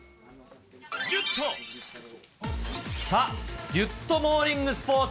さあ、ギュッとモーニングスポーツ。